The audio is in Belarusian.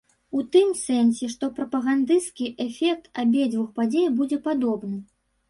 У тым сэнсе, што прапагандысцкі эфект абедзвюх падзей будзе падобны.